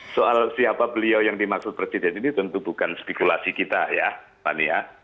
soal siapa beliau yang dimaksud presiden ini tentu bukan spikulasi kita ya fandi ya